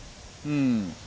うん。